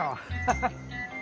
ハハッ！